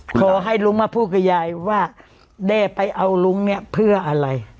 ขอให้ลุงมาพูดกับยายว่าแด้ไปเอาลุงเนี่ยเพื่ออะไร